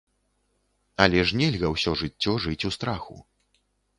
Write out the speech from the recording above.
Але ж нельга ўсё жыццё жыць у страху.